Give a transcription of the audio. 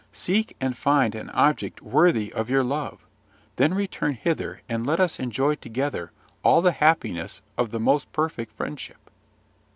Seek and find an object worthy of your love; then return hither, and let us enjoy together all the happiness of the most perfect friendship."